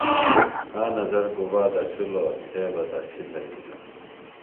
آ نظر گُبا دڇھلوۡ تھے بہ دڇھی دھرِیتہ۔